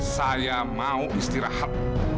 saya mau istirahat